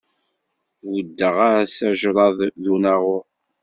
Buddeɣ-as ajṛad d unaɣur.